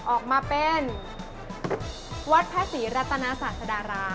ออกมาเป็นวัดพระศรีรัตนาศาสดาราม